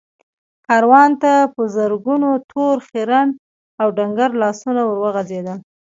کاروان ته په زرګونو تور، خيرن او ډنګر لاسونه ور وغځېدل.